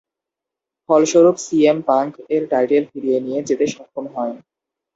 ফলস্বরূপ CM Punk তার title ফিরিয়ে নিয়ে যেতে সক্ষম হন।